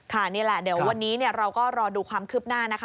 นี่แหละเดี๋ยววันนี้เราก็รอดูความคืบหน้านะคะ